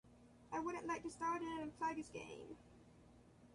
I wouldn't like to start in and plug his game.